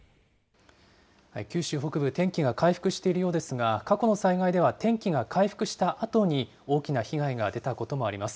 九州北部、天気が回復しているようですが、過去の災害では天気が回復したあとに、大きな被害が出たこともあります。